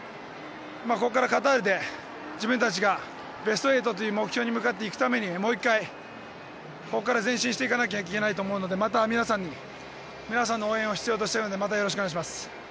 ここからカタールで自分たちがベスト８という目標に向かっていくためにもう１回、ここから前進していかなきゃいけないと思うのでまた皆さんの応援を必要としているのでまたよろしくお願いします。